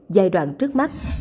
giai đoạn trước mắt